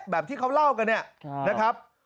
แบบที่เขาเล่ากันเนี่ยนะครับ